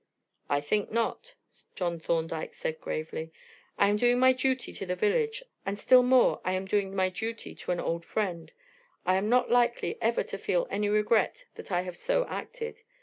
"I think not," John Thorndyke said gravely. "I am doing my duty to the village, and still more I am doing my duty to an old friend, and I am not likely ever to feel any regret that I have so acted.